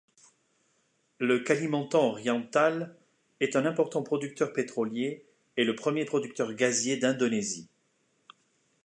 Le Kalimantan-Oriental est un important producteur pétrolier, et le premier producteur gazier d'Indonésie.